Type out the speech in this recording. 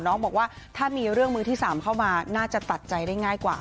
บอกว่าถ้ามีเรื่องมือที่๓เข้ามาน่าจะตัดใจได้ง่ายกว่า